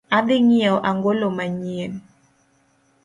Adhii nyieo ang'olo manyien.